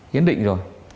hiến định rồi